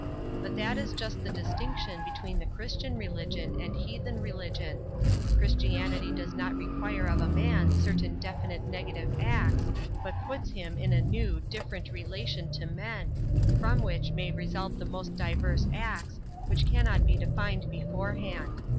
But that is just the distinction between the Christian religion and heathen religion. Christianity does not require of a man certain definite negative acts, but puts him in a new, different relation to men, from which may result the most diverse acts, which cannot be defined beforehand.